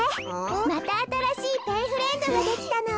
またあたらしいペンフレンドができたの。